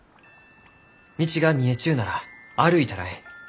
道が見えちゅうなら歩いたらえい。